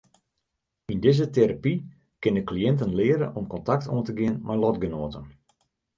Yn dizze terapy kinne kliïnten leare om kontakt oan te gean mei lotgenoaten.